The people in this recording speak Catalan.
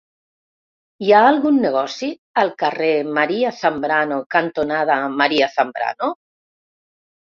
Hi ha algun negoci al carrer María Zambrano cantonada María Zambrano?